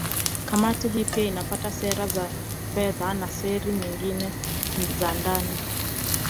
Kamati hii pia inapitia sera za fedha na sera nyingine za ndani